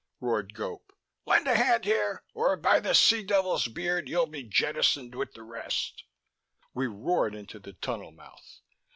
roared Gope. "Lend a hand here, or by the sea devil's beard you'll be jettisoned with the rest!" We roared into the tunnel mouth.